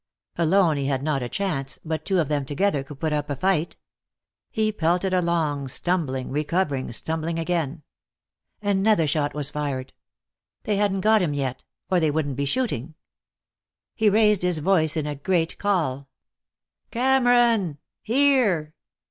Alone he had not a chance, but two of them together could put up a fight. He pelted along, stumbling, recovering, stumbling again. Another shot was fired. They hadn't got him yet, or they wouldn't be shooting. He raised his voice in a great call. "Cameron! Here!